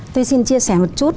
tôi xin chia sẻ một chút